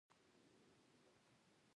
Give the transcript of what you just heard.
صداقت د اړیکو بنسټ دی.